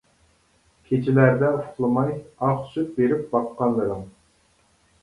كېچىلەردە ئۇخلىماي، ئاق سۈت بېرىپ باققانلىرىڭ.